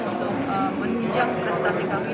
untuk menunjang prestasi kami